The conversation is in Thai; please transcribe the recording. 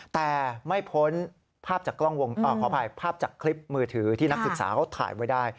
แต่ไม่พ้นภาพจากคลิปมือถือที่นักศึกษาเขาถ่ายไว้ได้